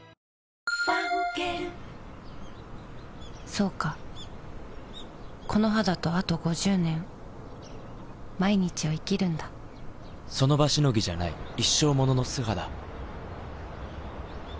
そうかこの肌とあと５０年その場しのぎじゃない一生ものの素肌